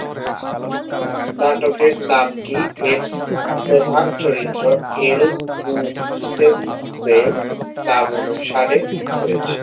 নাটকের নামটি এর প্রধান চরিত্র ‘এল গুগুন্সে’র নামানুসারে হয়েছে।